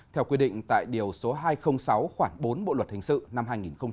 theo quy định tại điều số hai trăm linh sáu khoảng bốn bộ luật hình sự năm hai nghìn một mươi năm